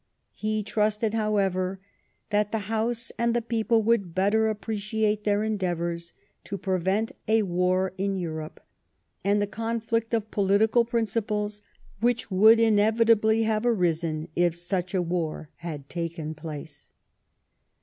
He trusted, however, that the House and the people would better appre ciate their endeavours to prevent a war in Eui'ope, and the conflict of political principles which would inevitably have arisen if such a war had taken place.